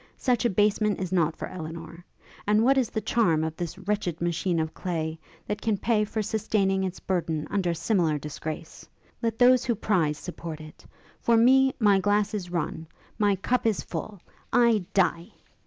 such abasement is not for Elinor. And what is the charm of this wretched machine of clay, that can pay for sustaining its burthen under similar disgrace? Let those who prize support it. For me, my glass is run, my cup is full, I die!'